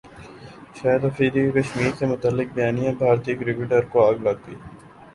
شاہد افریدی کا کشمیر سے متعلق بیانبھارتی کرکٹرز کو اگ لگ گئی